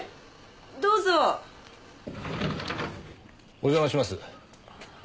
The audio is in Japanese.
お邪魔します。